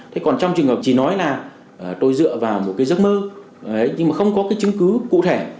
thế còn trong trường hợp chỉ nói là tôi dựa vào một cái giấc mơ nhưng mà không có cái chứng cứ cụ thể